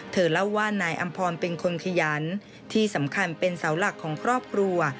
เธอเล่าว่านายอำพรเป็นคนขยันที่สำคัญเป็นเสาหลักของครอบครัว